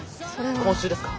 今週ですか？